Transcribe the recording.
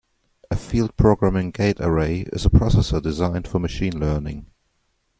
A Field Programming Gate Array is a processor designed for machine learning.